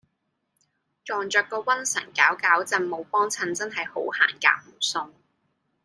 撞著個瘟神攪攪震冇幫襯真喺好行夾唔送